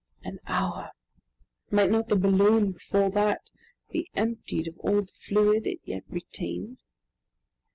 An hour! Might not the balloon before that be emptied of all the fluid it yet retained?